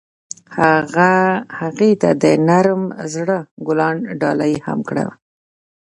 هغه هغې ته د نرم زړه ګلان ډالۍ هم کړل.